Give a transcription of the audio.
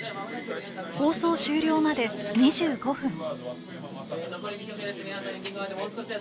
放送終了まで２５分。